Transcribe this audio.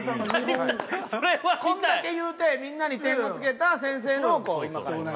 こんだけ言うてみんなに点を付けた先生のを今から見ます。